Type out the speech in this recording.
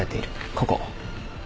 ここ。